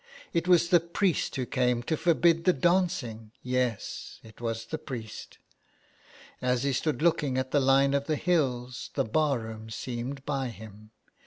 It was the priest who came to forbid the dancing. Yes, it was the priest. As he stood looking at the line of the hills the bar room seemed by him.